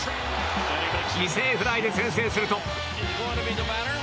犠牲フライで先制すると。